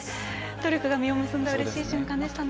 努力が実を結んだうれしい瞬間でしたね。